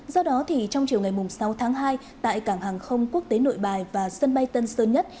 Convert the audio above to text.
do đó trong chiều ngày sáu tháng hai tại cảng hàng không quốc tế nội bài và sân bay tân sơn nhất